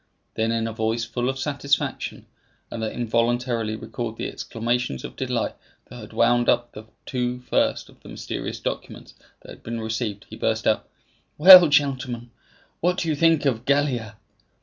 Then, in a voice full of satisfaction, and that involuntarily recalled the exclamations of delight that had wound up the two first of the mysterious documents that had been received, he burst out, "Well, gentlemen, what do you think of Gallia?"